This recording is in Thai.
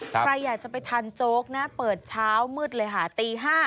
ใครอยากจะไปทานโจ๊กนะเปิดเช้ามืดเลยค่ะตี๕